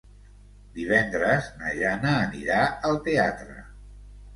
Divendres na Jana anirà al teatre.